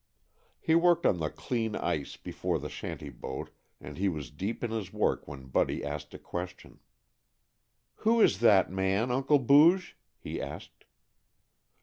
He worked on the clean ice before the shanty boat and he was deep in his work when Buddy asked a question. "Who is that man, Uncle Booge?" he asked.